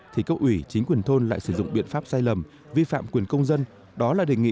thì cấp ủy chính quyền thôn lại sử dụng biện pháp sai lầm vi phạm quyền công dân